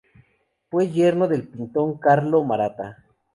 Fue yerno del pintor Carlo Maratta.